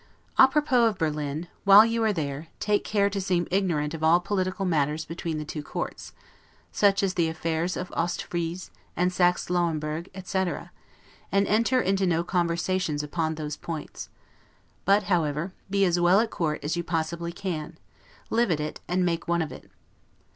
'A Propos' of Berlin, while you are there, take care to seem ignorant of all political matters between the two courts; such as the affairs of Ost Frise, and Saxe Lawemburg, etc., and enter into no conversations upon those points; but, however, be as well at court as you possibly can; live at it, and make one of it.